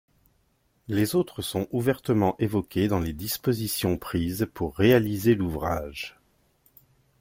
Les autres sont ouvertement évoqués dans les dispositions prises pour réaliser l’ouvrage.